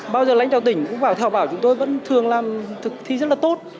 bao giờ lãnh đạo tỉnh cũng phải thảo bảo chúng tôi vẫn thường làm thực thi rất là tốt